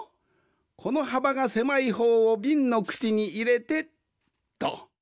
このはばがせまいほうをびんのくちにいれてっと。